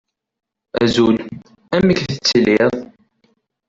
Azul. Amek i tettiliḍ?